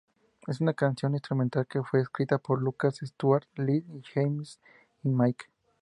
Es una canción instrumental que fue escrito por Lucas, Stuart, Lee, Jamie, y Mike.